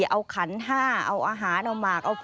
เอาขันห้าเอาอาหารเอาหมาก